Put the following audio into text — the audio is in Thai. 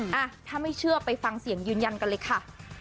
อ่ะถ้าไม่เชื่อไปฟังเสียงยืนยันกันเลยค่ะ